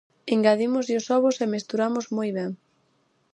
Engadímoslle os ovos e mesturamos moi ben.